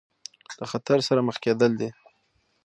له خطر سره مخ کېدل دي.